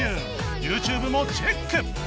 ＹｏｕＴｕｂｅ もチェック